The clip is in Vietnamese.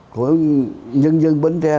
của nhân dân bến tre